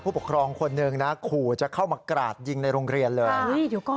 ปกครองคนหนึ่งนะขู่จะเข้ามากราดยิงในโรงเรียนเลย